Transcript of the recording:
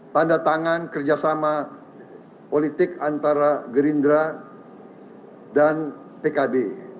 tanda tangan kerjasama politik antara gerindra dan pkb